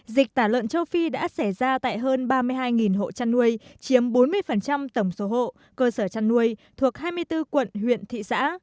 dịch tả lợn châu phi đã xảy ra tại hơn ba mươi hai hộ chăn nuôi chiếm bốn mươi tổng số hộ cơ sở chăn nuôi thuộc hai mươi bốn quận huyện thị xã